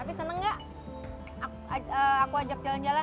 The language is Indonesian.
tapi seneng gak aku ajak jalan jalan